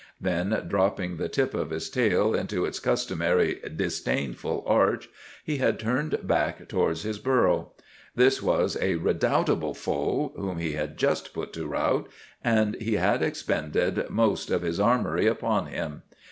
Then, dropping the tip of his tail into its customary disdainful arch, he had turned back towards his burrow. This was a redoubtable foe whom he had just put to rout, and he had expended most of his armoury upon him.